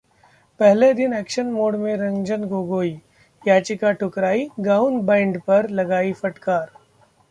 पहले दिन action mode में रंजन गोगोई, याचिका ठुकराई-गाउन बैंड पर लगाई फटकार